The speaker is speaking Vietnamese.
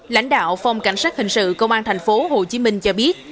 lãnh đạo phòng cảnh sát hình sự công an tp hồ chí minh cho biết